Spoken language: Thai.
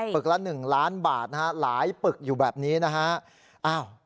ึกละ๑ล้านบาทนะฮะหลายปึกอยู่แบบนี้นะฮะ